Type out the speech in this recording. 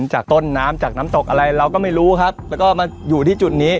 จากต้นน้ำจากน้ำตกอะไรเราก็ไม่รู้ครับแล้วก็มาอยู่ที่จุดนี้